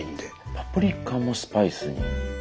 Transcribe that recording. パプリカもスパイスに。